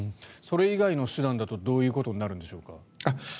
それ以外の手段だとどういうことになるんでしょうか。